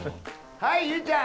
はい結実ちゃん！